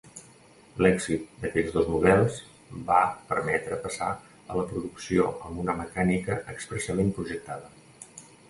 L’èxit d’aquells dos models va permetre passar a la producció amb una mecànica expressament projectada.